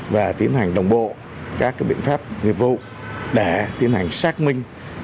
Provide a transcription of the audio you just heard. và tiến hành đồng bộ các biện pháp nghiệp vụ để tiến hành xác minh